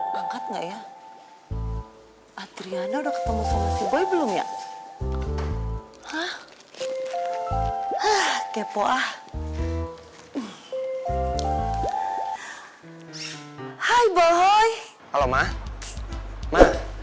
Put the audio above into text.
banget ya adriana udah ketemu sama si boy belum ya hah ah kepo ah hai bohoi halo ma ma